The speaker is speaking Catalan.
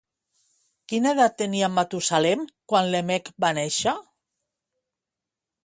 Quina edat tenia Matusalem quan Lèmec va néixer?